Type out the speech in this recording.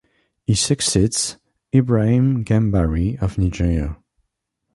He succeeds Ibrahim Gambari of Nigeria.